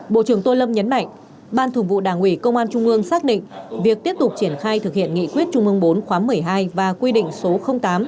bộ trưởng tô lâm nhấn mạnh ban thường vụ đảng ủy công an trung ương xác định việc tiếp tục triển khai thực hiện nghị quyết trung ương bốn khóa một mươi hai và quy định số tám